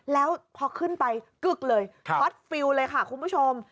แล้วพอขึ้นไปกึ๊กเลยฮอตฟิลเลยค่ะคุณผู้ชม